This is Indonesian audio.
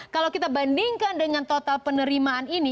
kalau kita bandingkan dengan total penerimaan ini